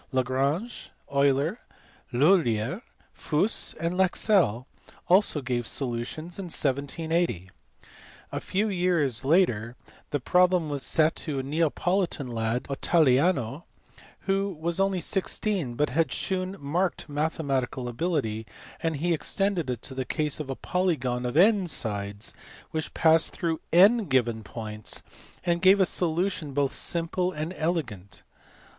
Lagrange, Euler, Lhulier, Fuss, and Lexell also gave solutions in 1 780. A few years later the problem was set to a Nea politan lad Oltaiano, who was only 16 but who had shewn marked mathematical ability, and he extended it to the case of a polygon of n sides which pass through n given points, and gave a solution both simple and elegant.